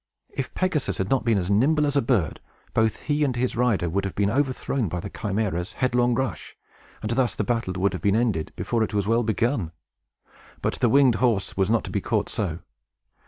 If Pegasus had not been as nimble as a bird, both he and his rider would have been overthrown by the Chimæra's headlong rush, and thus the battle have been ended before it was well begun. But the winged horse was not to be caught so.